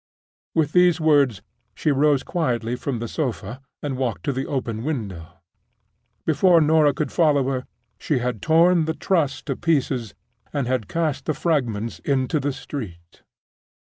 With those words, she rose quietly from the sofa, and walked to the open window. Before Norah could follow her, she had torn the Trust to pieces, and had cast the fragments into the street.